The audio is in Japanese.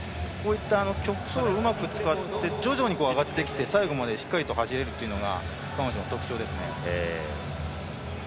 曲走路をうまく使って徐々に上がってきて最後までしっかり走れるというのが彼女の特徴ですね。